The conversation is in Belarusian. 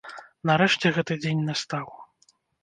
Нарэшце гэты дзень настаў.